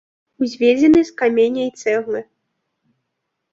Узведзены з каменя і цэглы.